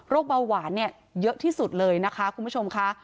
เบาหวานเนี่ยเยอะที่สุดเลยนะคะคุณผู้ชมค่ะ